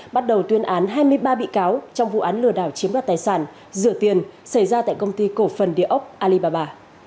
bắt đầu tuyên án hai mươi ba bị cáo trong vụ án lừa đảo chiếm đoạt tài sản rửa tiền xảy ra tại công ty cổ phần địa ốc alibaba